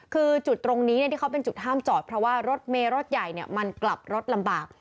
คือจุดตรงนี้ที่เขาเป็นจุดห้ามจอดเพราะว่ารถเมย์รถใหญ่มันกลับรถลำบาก